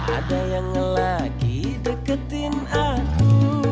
ada yang lagi deketin aduh